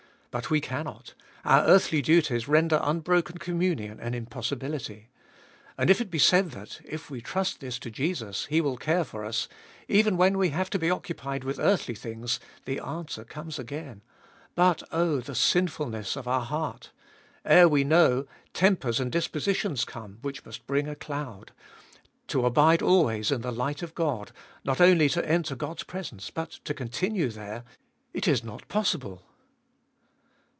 But we cannot — our earthly duties render unbroken communion an impossibility. And if it be said that, if we trust this to Jesus, He will care for us, even when we have to be occupied with earthly things, the answer comes again : But oh, the sinfulness of our heart ! Ere we know, tempers and dispositions come which must bring a cloud ; to abide always in the light of God, not only to enter God's presence, but to continue there — it is not possible